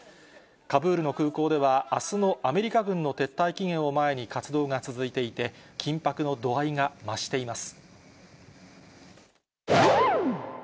カブールの空港では、あすのアメリカ軍の撤退期限を前に活動が続いていて、緊迫の度合いが増しています。